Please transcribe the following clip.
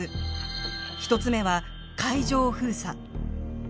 １つ目は海上封鎖。